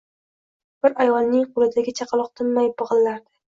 Bir ayolning qo’lidagi chaqaloq tinmay big’illardi.